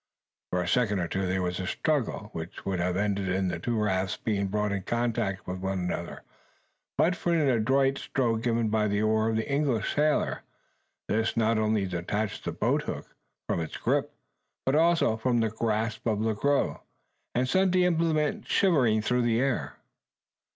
For a second or two there was a struggle, which would have ended in the two rafts being brought in contact with one another but for an adroit stroke given by the oar of the English sailor. This not only detached the boat hook from its grip, but also from the grasp of Le Gros, and sent the implement shivering through the air.